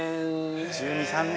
◆１２３年。